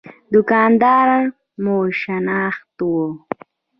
دوکان دار مو شناخته وخت.